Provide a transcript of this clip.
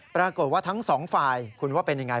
ปรากฏว่าทั้งสองฝ่ายคุณว่าเป็นยังไง